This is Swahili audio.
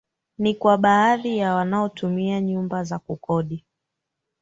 ni kwa baadhi ya wanatumia nyumba za kukodi